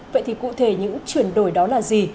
vậy thì cụ thể những chuyển đổi đó là gì